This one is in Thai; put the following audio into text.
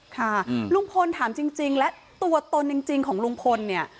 ค่ะลุงพลถามจริงและตัวตนจริงของลุงพลเนี่ย